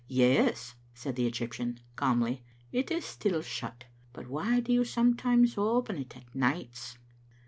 " Yes," said the Egyptian calmly, " it is still shut; but why do you sometimes open it at nights?"